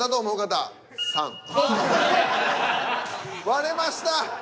割れました！